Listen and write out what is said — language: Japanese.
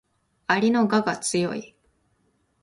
蛾の我が強い